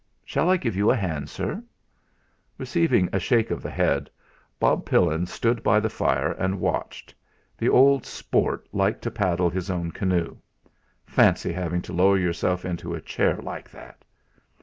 "Shall I give you a hand, sir?" Receiving a shake of the head, Bob Pillin stood by the fire and watched. The old "sport" liked to paddle his own canoe. Fancy having to lower yourself into a chair like that!